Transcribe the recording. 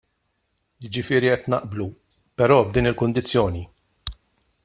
Jiġifieri qed naqblu, però b'din il-kundizzjoni.